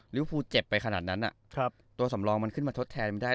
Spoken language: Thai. ฟูเจ็บไปขนาดนั้นตัวสำรองมันขึ้นมาทดแทนไม่ได้